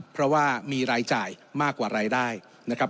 เพราะว่ามีรายจ่ายมากกว่ารายได้นะครับ